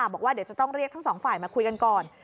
บอกว่าเดี๋ยวจะต้องเรียกทั้งสองฝ่ายมาคุยกันก่อน